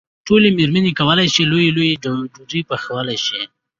ټولې مېرمنې کولای شي لويې لويې ډوډۍ پخولی شي.